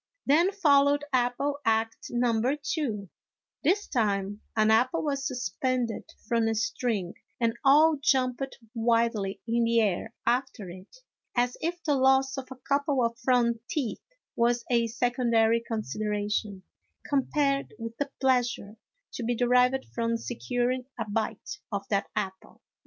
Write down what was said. Then followed apple act number two ; this time an apple was suspended from a string, and all jumped wildly in the air after it, as if the loss of a couple of front teeth was a secondary consideration compared with the pleasure to be derived from securing a bite of that apple.